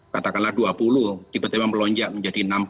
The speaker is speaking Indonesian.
katakanlah dua puluh tiba tiba melonjak menjadi enam puluh